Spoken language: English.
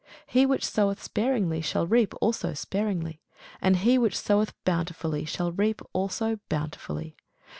He which soweth sparingly shall reap also sparingly; and he which soweth bountifully shall reap also bountifully.